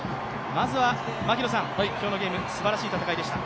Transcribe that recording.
まずは槙野さん、今日のゲーム、すばらしい戦いでした。